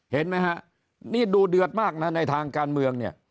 เห็นไหมฮะนี่ดูเดือดมากนะในทางการเมืองเนี่ย